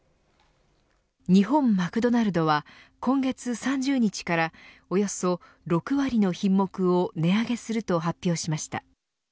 日本マクドナルドは今月３０日からおよそ６割の品目を値上げすると発表しました。